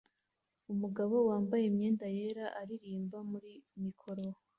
Umugabo wambaye imyenda yera aririmba muri mikoro